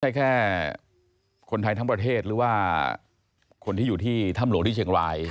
แค่คนไทยทั้งประเทศหรือว่าคนที่อยู่ที่ถ้ำหลวงที่เชียงราย